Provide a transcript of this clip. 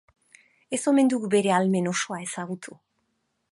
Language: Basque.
Ez omen dugu bere ahalmen osoa ezagutu.